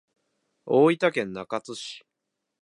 大分県中津市